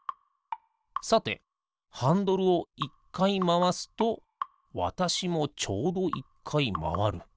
さてハンドルを１かいまわすとわたしもちょうど１かいまわる。